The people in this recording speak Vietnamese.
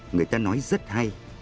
người ta nói rất hay